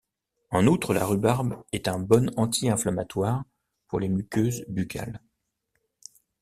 En outre, la rhubarbe est un bon anti-inflammatoire pour les muqueuses buccales.